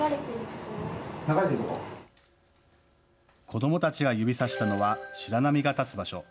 子どもたちが指さしたのは白波が立つ場所。